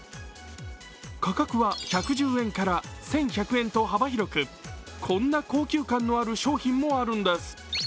価格は１１０円から１１００円と幅広くこんな高級感のある商品もあるんです。